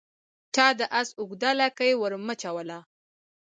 چا د آس اوږده لکۍ ور مچوله